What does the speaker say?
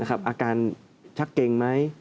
อาการชักเกงไหม